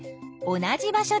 同じ場所？